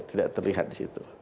tidak terlihat disitu